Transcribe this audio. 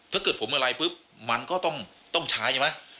ถ้าเกิดผมอะไรปุ๊บมันก็ต้องใช้ใช่ไหม